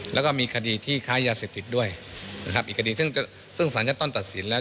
แล้วก็มีคดีที่ค้ายาเสพติดด้วยอีกคดีซึ่งสัญญาต้นตัดสินแล้ว